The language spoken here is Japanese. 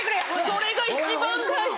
それが一番大事。